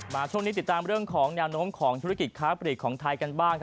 ช่วงนี้ติดตามเรื่องของแนวโน้มของธุรกิจค้าปลีกของไทยกันบ้าง